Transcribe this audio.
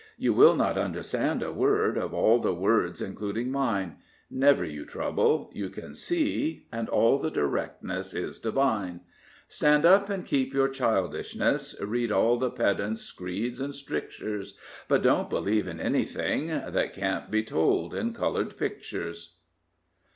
You will not understand a word Of all the words, including mine; Never you trouble; you can see. And all directness is divine — Stand up and keep your childishness: Read all the pedants* screeds and strictures; But don't believe in anything That can't be told in coloured pictures.